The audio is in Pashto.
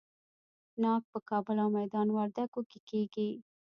ناک په کابل او میدان وردګو کې کیږي.